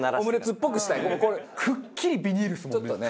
くっきりビニールですもんね。